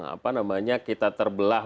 apa namanya kita terbelah